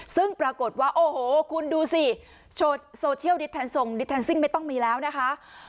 ซึ่งปรากฏว่าโอ้โหคุณดูสิโซเชียลดิสแทนทรงดิแทนซิ่งไม่ต้องมีแล้วนะคะ